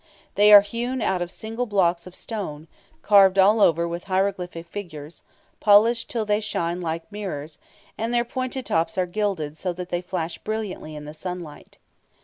They are hewn out of single blocks of stone, carved all over with hieroglyphic figures, polished till they shine like mirrors, and their pointed tops are gilded so that they flash brilliantly in the sunlight.